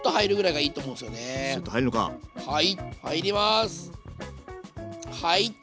はい。